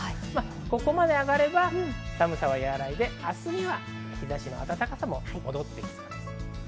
ここまで上がれば寒さは和らいで明日には日差しの暖かさも戻ってきそうです。